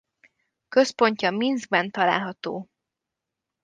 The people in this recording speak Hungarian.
Központja Minszkben található.